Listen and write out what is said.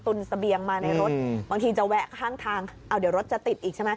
ตุ้นสะเบียงมาในรถบางทีจะแวะข้างทางอ้าวเดี๋ยวรถจะติดอีกใช่มั้ย